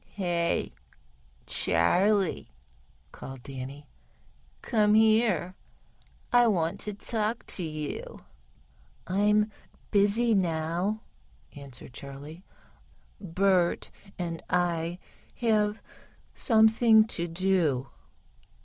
"Hey, Charley," called Danny, "come here, I want to speak to you." "I'm busy now," answered Charley. "Bert and I have something to do."